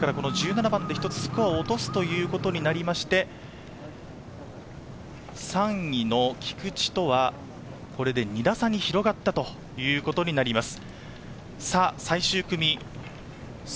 １７番です、１つスコアを落とすことになりまして、３位の菊地とはこれで２打差に広がったことになります。